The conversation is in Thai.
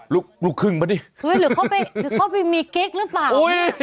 ลกครึ่งปะนิ่งหรือเขาไปมีกิ๊กรึป่าว